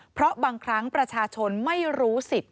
เพราะบางครั้งประชาชนไม่รู้สิทธิ์